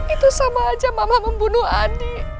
itu sama aja mama membunuh andi